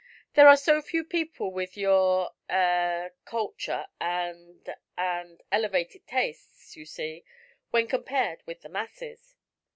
There are so few people with your eh culture and and elevated tastes, you see, when compared with the masses."